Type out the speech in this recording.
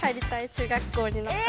中学校になったら。